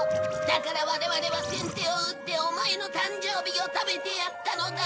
だから我々は先手を打ってオマエの誕生日を食べてやったのだ！